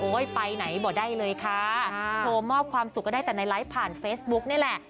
ไปไหนบ่ได้เลยค่ะโทรมอบความสุขก็ได้แต่ในไลฟ์ผ่านเฟซบุ๊กนี่แหละ